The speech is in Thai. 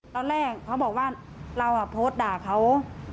ตอนแรกเขาบอกว่าเราโพสต์ด่าเขา